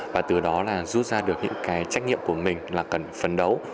và từ đó là rút ra được những cái trách nhiệm của mình là cần phấn đấu